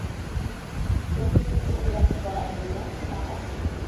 রকিবউদ্দিন বিরক্ত গলায় বললেন, কেন?